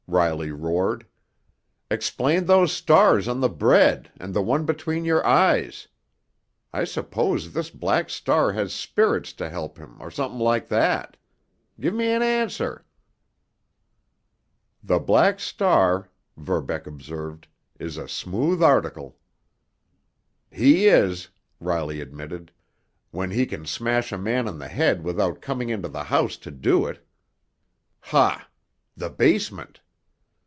Riley roared. "Explain those stars on the bread and the one between your eyes. I suppose this Black Star has spirits to help him or something like that. Give me an answer!" "The Black Star," Verbeck observed, "is a smooth article." "He is," Riley admitted, "when he can smash a man on the head without coming into the house to do it. Ha! The basement!"